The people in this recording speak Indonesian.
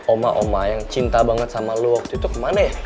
oma oma yang cinta banget sama lo waktu itu kemana ya